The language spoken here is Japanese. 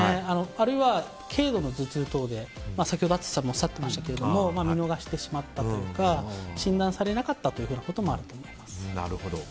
あるいは軽度の頭痛等で先ほど淳さんもおっしゃってましたけど見逃してしまったとか診断されなかったというようなこともあると。